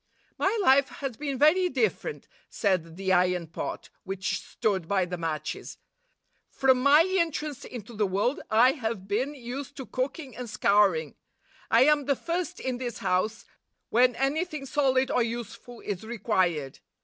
'My life has been very different,' said the iron pot, which stood by the matches. 'From my first entrance into the world I have been l 95 used to cooking and scouring. I am the first in this house, when anything solid or useful is required.